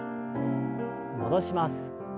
戻します。